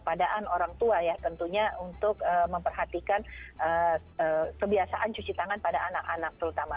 padaan orang tua ya tentunya untuk memperhatikan kebiasaan cuci tangan pada anak anak terutama